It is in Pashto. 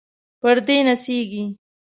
پردې نڅیږي